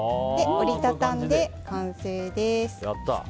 折り畳んで完成です。